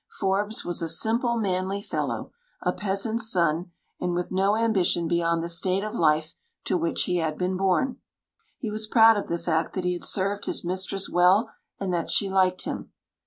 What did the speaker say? Forbes was a simple, manly fellow, a peasant's son, and with no ambition beyond the state of life to which he had been born. He was proud of the fact that he had served his mistress well, and that she liked him.